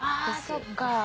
あそっか。